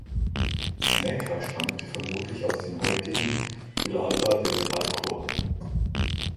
Seneca stammte vermutlich aus dem heutigen Villalba del Alcor.